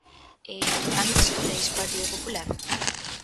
E ¿cando descobre iso o Partido Popular?